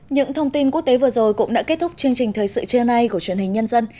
những thông tin quốc tế vừa rồi cũng đã kết thúc chương trình thời sự trưa nay của truyền hình nhân dân